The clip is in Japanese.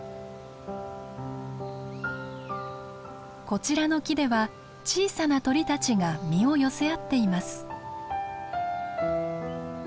こちらの木では小さな鳥たちが身を寄せ合っています。